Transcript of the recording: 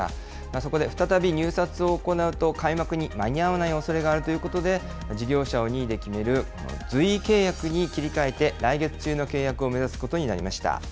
そこで再び入札を行うと、開幕に間に合わないおそれがあるということで、事業者を任意で決める随意契約に切り替えて、来月中の契約を目指すことになりました。